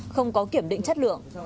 không có kiểm định chất lượng